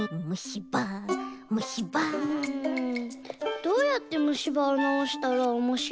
どうやってむしばをなおしたらおもしろいかなあ。